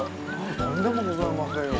とんでもございませんよ！